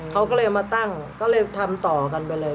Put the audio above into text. เขาก็เลยเอามาตั้งก็เลยทำต่อกันไปเลย